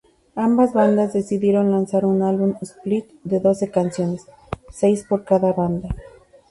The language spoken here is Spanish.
Ambas bandas decidieron lanzar un álbum split de doce canciones, seis por cada banda.